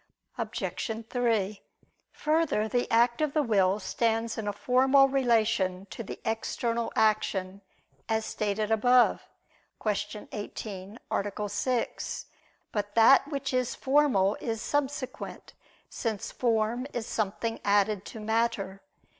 Obj. 3: Further, the act of the will stands in a formal relation to the external action, as stated above (Q. 18, A. 6). But that which is formal is subsequent; since form is something added to matter.